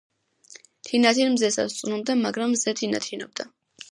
თინათინ მზესა სწუნობდა, მაგრამ მზე თინათინობდა.